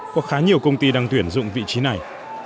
có khá nhiều công ty đang tuyển dụng vị trí này